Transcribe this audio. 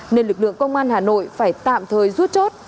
nên lực lượng công an hà nội phải tạm thời rút chốt